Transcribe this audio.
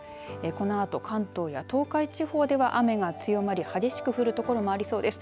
このあと関東や東海地方では雨が強まり激しく降る所もありそうです。